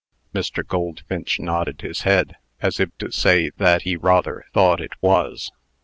Mr. Goldfinch nodded his head, as if to say that he rather thought it was.